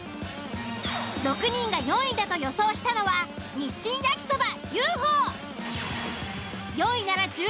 ６人が４位だと予想したのは日清焼そばＵ．Ｆ．Ｏ．！